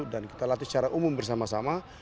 dan kita latih secara umum bersama sama